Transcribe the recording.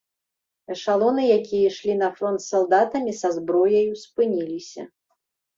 Эшалоны, якія ішлі на фронт з салдатамі, са зброяю, спыніліся.